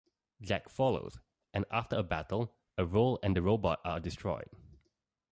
Jak follows, and after a battle, Errol and the Robot are destroyed.